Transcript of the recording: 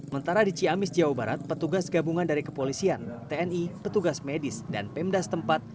mentara di ciamis jawa barat petugas gabungan dari kepolisian tni petugas medis dan pemdas tempat